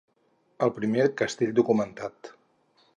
el primer castell documentat